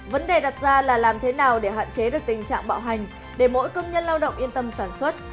vấn đề đặt ra là làm thế nào để hạn chế được tình trạng bạo hành để mỗi công nhân lao động yên tâm sản xuất